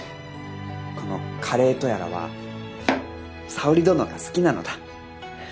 この華令江とやらは沙織殿が好きなのだ。